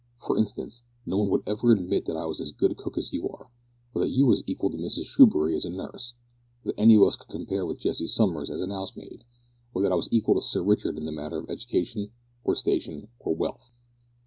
"For instance, no one would ever admit that I was as good a cook as you are, or that you was equal to Mrs Screwbury as a nurse, or that any of us could compare with Jessie Summers as a 'ouse maid, or that I was equal to Sir Richard in the matters of edication, or station, or wealth.